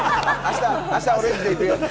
明日、オレンジでいくよって。